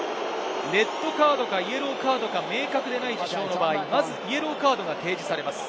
レッドカードか、イエローカードが明確じゃない事象の場合、まずイエローカードが提示されます。